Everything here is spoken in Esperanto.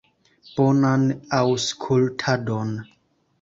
Bonan aŭskultadon!